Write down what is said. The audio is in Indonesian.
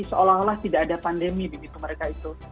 seolah olah tidak ada pandemi begitu mereka itu